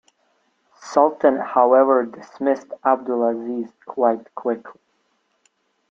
Sultan, however, dismissed Abdulaziz quite quickly.